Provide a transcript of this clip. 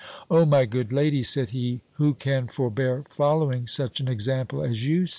"O my good lady," said he, "who can forbear following such an example as you set?